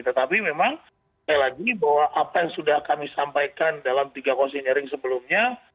tetapi memang sekali lagi bahwa apa yang sudah kami sampaikan dalam tiga cosinyering sebelumnya